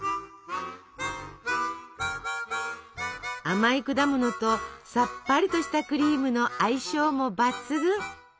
甘い果物とさっぱりとしたクリームの相性も抜群。